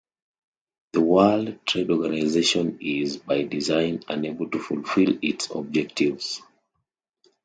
The World Trade Organisation is, by design, unable to fulfil its objectives